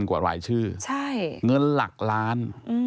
๒๐๐๐กว่าหลายชื่อเงินหลักล้าน